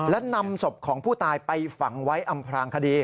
และนำศพของผู้ตายไปฝังไว้อำพลางคดี